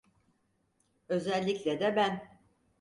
Özellikle de ben.